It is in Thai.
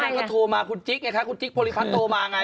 ก็โทรมาคุณจิ๊กไงคะคุณจิ๊กโพลิพัฒนโทรมาไง